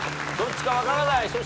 どっちか分からない。